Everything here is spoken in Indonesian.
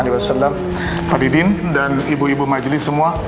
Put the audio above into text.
pak didin dan ibu ibu majlis semua